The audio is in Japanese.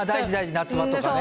夏場とかね。